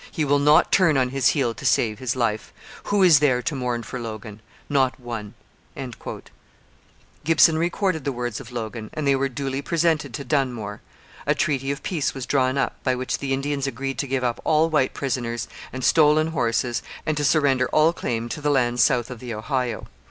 He will not turn on his heel to save his life. Who is there to mourn for Logan? Not one. Gibson recorded the words of Logan, and they were duly presented to Dunmore. A treaty of peace was drawn up, by which the Indians agreed to give up all white prisoners and stolen horses and to surrender all claim to the land south of the Ohio.